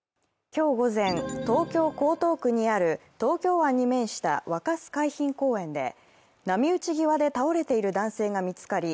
今日午前、東京・江東区にある東京湾に面した若洲海浜公園で波打ち際で倒れている男性が見つかり